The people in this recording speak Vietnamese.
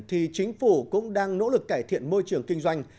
thì chính phủ cũng đang nỗ lực cải thiện môi trường kinh doanh